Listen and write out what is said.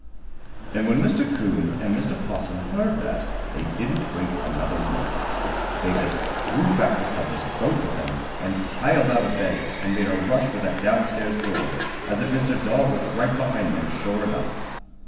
And when Mr. 'Coon and Mr. 'Possum heard that they didn't wait another minute. They just threw back the covers, both of them, and piled out of bed and made a rush for that down stairs door, as if Mr. Dog was right behind them, sure enough.